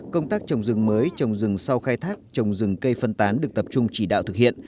công tác trồng rừng mới trồng rừng sau khai thác trồng rừng cây phân tán được tập trung chỉ đạo thực hiện